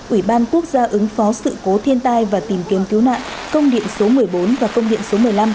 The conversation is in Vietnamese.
ủy ban quốc gia ứng phó sự cố thiên tai và tìm kiếm cứu nạn công điện số một mươi bốn và công điện số một mươi năm